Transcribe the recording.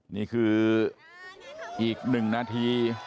นี่คืออีกหนึ่งนาที